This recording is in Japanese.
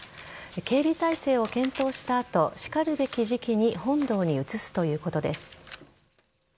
警備態勢を検討した後しかるべき時期に本堂に移すということです。